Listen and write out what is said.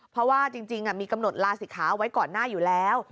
เพราะว่าจริงมีกำหนดลาศิกขาเอาไว้ก่อนหน้าอยู่แล้ว